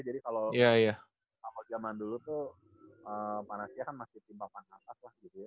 jadi kalau kalau zaman dulu tuh panasya kan masih tim pangkat pangkat lah gitu ya